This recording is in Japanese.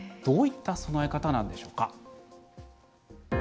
どういった備え方なんでしょうか。